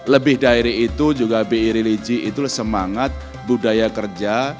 lebih dari itu juga bi religi itu semangat budaya kerja